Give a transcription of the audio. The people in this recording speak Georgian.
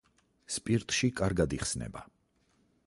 სპირტში კარგად იხსნება.